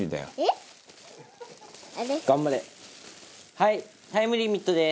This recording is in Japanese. はいタイムリミットです。